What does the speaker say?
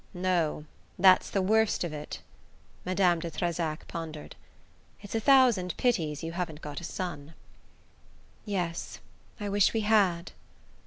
"No; that's the worst of it." Madame de Trezac pondered. "It's a thousand pities you haven't got a son." "Yes; I wish we had."